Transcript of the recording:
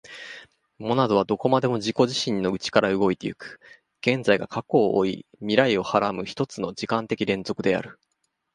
モナドはどこまでも自己自身の内から動いて行く、現在が過去を負い未来を孕はらむ一つの時間的連続である。